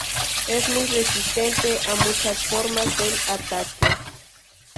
Es muy resistente a muchas formas del ataque.